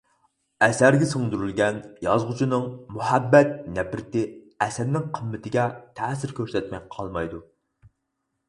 ئەسەرگە سىڭدۈرۈلگەن يازغۇچىنىڭ مۇھەببەت-نەپرىتى ئەسەرنىڭ قىممىتىگە تەسىر كۆرسەتمەي قالمايدۇ.